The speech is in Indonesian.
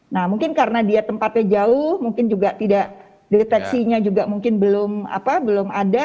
nah mungkin karena dia tempatnya jauh mungkin juga tidak deteksinya juga mungkin belum ada